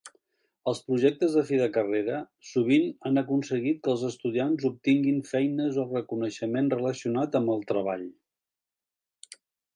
Els projectes de fi de carrera sovint han aconseguit que els estudiants obtinguin feines o reconeixement relacionat amb el treball.